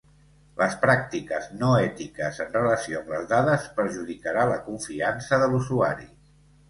Les pràctiques no ètiques en relació amb les dades perjudicarà la confiança de l"usuari.